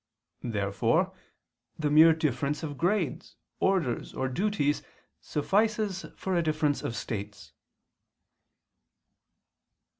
Therefore the mere difference of grades, orders, or duties suffices for a difference of states.